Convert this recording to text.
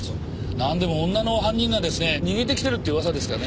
なんでも女の犯人がですね逃げてきてるっていう噂ですがね。